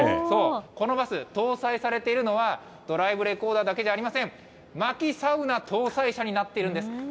そう、このバス、搭載されているのは、ドライブレコーダーだけではありません、まきサウナ搭載車になっているんです。